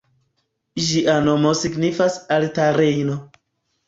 Ĝia nomo signifas “alta Rejno”.